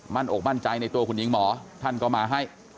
อกมั่นใจในตัวคุณหญิงหมอท่านก็มาให้